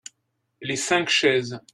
Les cinq chaises.